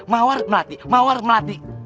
mawar melati mawar melati